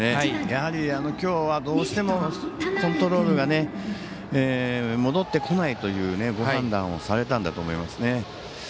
きょうはどうしてもコントロールが戻ってこないというご判断をされたんだと思いますね。